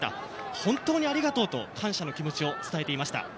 本当にありがとうと感謝の気持ちを伝えていました。